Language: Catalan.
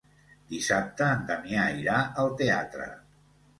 Dissabte en Damià irà al teatre.